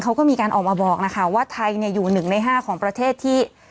เขาก็มีการออกมาบอกนะคะว่าไทยอยู่๑ใน๕ของประเทศที่